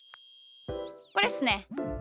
これっすね。